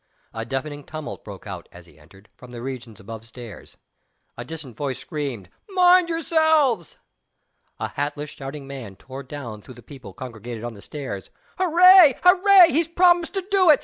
A deafening tumult broke out, as he entered, from the regions above stairs. A distant voice screamed, "Mind yourselves!" A hatless shouting man tore down through the people congregated on the stairs. "Hooray! Hooray! He's promised to do it!